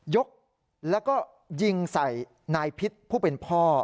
ยกแล้วก็ยิงใส่นายพิษผู้เป็นพ่อ